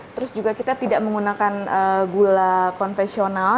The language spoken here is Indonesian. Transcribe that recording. terus juga kita tidak menggunakan gula konfesional